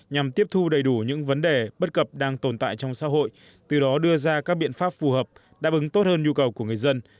nhằm tiếp thu đầy đủ những vấn đề bất cập đang tồn tại trong xã hội từ đó đưa ra các biện pháp phù hợp đáp ứng tốt hơn nhu cầu của người dân